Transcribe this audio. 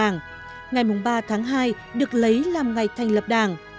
ngày ba tháng hai được lấy làm ngày thành lập đảng